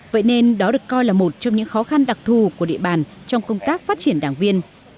vậy nên đó được coi là một trong những khó khăn đặc thù của địa bàn trong công tác phát triển đảng viên